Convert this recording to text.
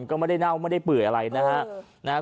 ก็ไม่ได้เน่าไม่ได้เปื่อยอะไรนะครับ